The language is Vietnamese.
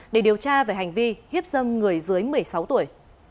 để điều tra về hành vi hiếp dâm người dưới một mươi sáu tuổi